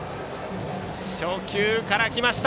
初球から来ました。